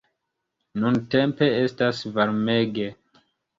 Nuntempe estas varmege.